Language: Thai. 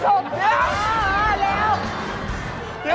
อ้าวแล้ว